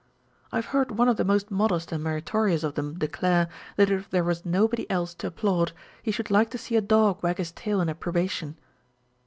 I have heard one of the most modest and meritorious of them declare, that if there wras nobody else to applaud, he should like to see a dog wag his tail in approbation.